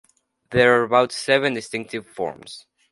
There are about seven distinctive forms.